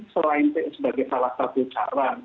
selain sebagai salah satu cara